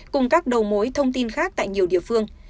cùng các đầu mối thông tin khác tại nhiều địa phương